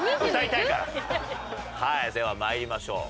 はいでは参りましょう。